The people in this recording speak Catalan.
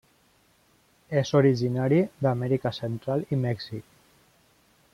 És originari d'Amèrica Central i Mèxic.